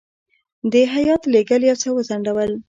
د هیات لېږل یو څه وځنډول.